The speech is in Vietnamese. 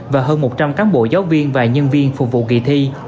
và hơn một trăm linh cán bộ giáo viên và nhân viên phục vụ kỳ thi